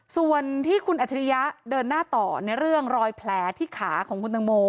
ส่วนที่คุณอัจฉริยะเดินหน้าต่อในเรื่องรอยแผลที่ขาของคุณตังโม